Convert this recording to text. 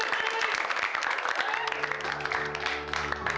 tidak ada yang bisa dipercayai